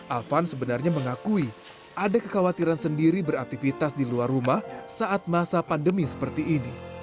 afan sebenarnya mengakui ada kekhawatiran sendiri beraktivitas di luar rumah saat masa pandemi seperti ini